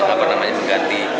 apa namanya mengganti